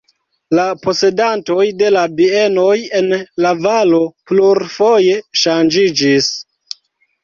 La posedantoj de la bienoj en la valo plurfoje ŝanĝiĝis.